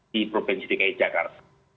di provinsi dki jakarta